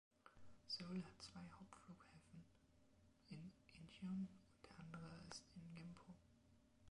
Seoul hat zwei Hauptflughäfen: in Incheon und der andere ist in Gimpo.